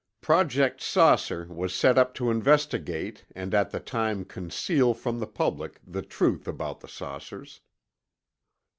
Project "Saucer" was set up to investigate and at the same time conceal from the public the truth about the saucers.